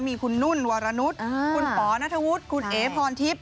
มีคุณนุ่นวารนุษย์คุณป๋อนัทวุฒิคุณเอ๋พรทิพย์